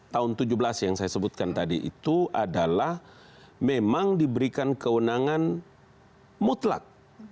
tahun tujuh belas yang saya sebutkan tadi itu adalah memang diberikan kewenangan mutlak